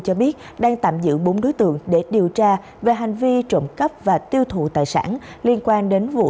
cho biết đang tạm giữ bốn đối tượng để điều tra về hành vi trộm cắp và tiêu thụ tài sản liên quan đến vụ